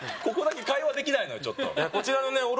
ここだけ会話できないのよちょっとこちらのね